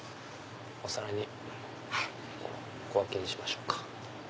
お皿に小分けにしましょうか。